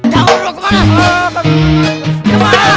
kamu mau kemana